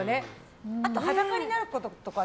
あと裸になることとかは？